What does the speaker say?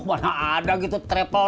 mana ada gitu trepel